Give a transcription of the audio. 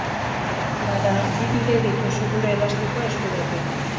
Bada, bi bide dituzu gure elastikoa eskuratzeko!